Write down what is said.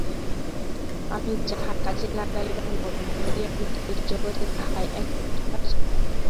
আমি যাহা কাজে লাগাইবার মত বলিয়া বোধ করি, জগতে তাহাই একমাত্র কার্যকর।